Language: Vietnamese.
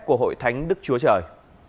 của hội thánh đức chúa trời